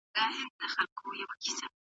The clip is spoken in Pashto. هلک په مرۍ کې یو ډول د درد غږ وکړ.